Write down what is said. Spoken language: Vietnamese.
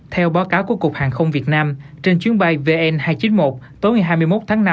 theo báo cáo của cục hàng không việt nam trên chuyến bay vn hai trăm chín mươi một tối ngày hai mươi một tháng năm